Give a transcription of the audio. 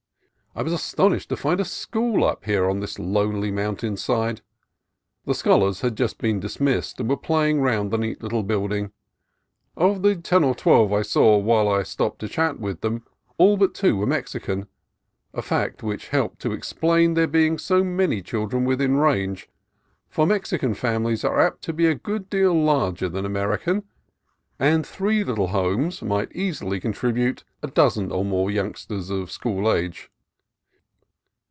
I was astonished to find a school up here on this lonely mountain side. The scholars had just been dismissed and were play ing round the neat little building. Of the ten or twelve I saw while I stopped to chat with them, all but two were Mexican, — a fact which helped to ex plain there being so many children within range, for Mexican families are apt to be a good deal larger than American, and three little homes might easily contribute a dozen or more youngsters of school age.